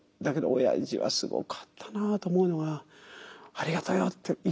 だけどおやじはすごかったなと思うのは「ありがとよ」って。